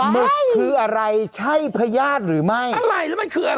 หึกคืออะไรใช่พญาติหรือไม่อะไรแล้วมันคืออะไร